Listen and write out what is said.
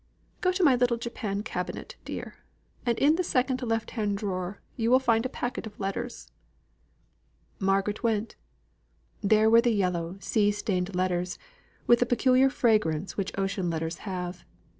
Go to my little japan cabinet, dear, and in the second left hand drawer you will find a packet of letters." Margaret went. There were the yellow, sea stained letters, with the peculiar fragrance which ocean letters have.